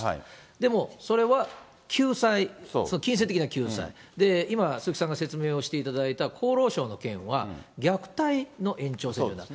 でもそれは救済、金銭的な救済、今、鈴木さんが説明をしていただいた厚労省の件は虐待の延長戦なんです。